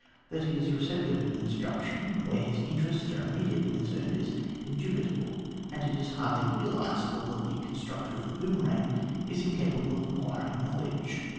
That he is receptive of instruction where his interests are immediately con cerned, is indubitable; and it is hardly realisable that the constructor of the boomerang is incapable of acquiring knowledge.